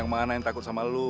diserahkan untuk pertama kali